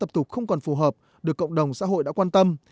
các tập tục không còn phù hợp được cộng đồng xã hội đã quan tâm